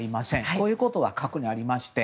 こういうことが過去にありました。